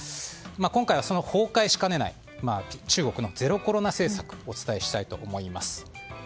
今回はその崩壊しかねない中国のゼロコロナをお伝えしたいと思います。